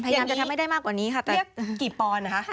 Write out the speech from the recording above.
พยายามจะทำให้ได้มากกว่านี้ค่ะเรียกกี่ปอนค่ะ